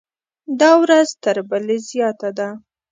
دا ورځ تر بلې زیات ده.